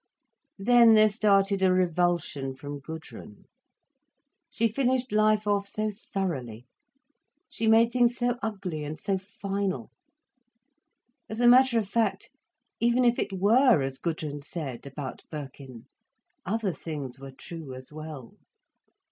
Then there started a revulsion from Gudrun. She finished life off so thoroughly, she made things so ugly and so final. As a matter of fact, even if it were as Gudrun said, about Birkin, other things were true as well.